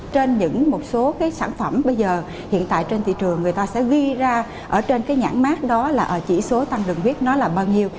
trên những một số cái sản phẩm bây giờ hiện tại trên thị trường người ta sẽ ghi ra ở trên cái nhãn mát đó là chỉ số tăng đường viết nó là bao nhiêu